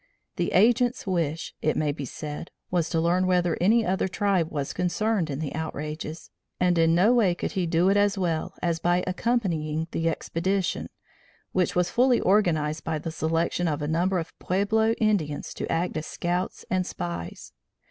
The Agent's wish, it may be said, was to learn whether any other tribe was concerned in the outrages, and in no way could he do it as well as by accompanying the expedition, which was fully organized by the selection of a number of Pueblo Indians to act as scouts and spies.